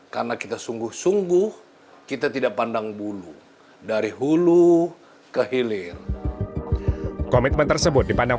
karena kita sungguh sungguh kita tidak pandang bulu dari hulu ke hilir komitmen tersebut dipandang